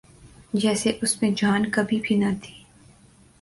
جیسے اس میں جان کبھی بھی نہ تھی۔